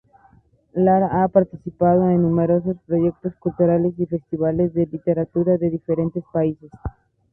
Lara ha participado en numerosos proyectos culturales y festivales de literatura de diferentes países.